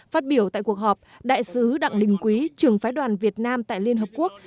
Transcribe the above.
phát biểu tại cuộc họp đại sứ đặng đình quý trưởng phái đoàn việt nam tại liên hợp quốc